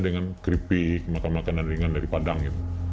dengan keripik makan makanan ringan dari padang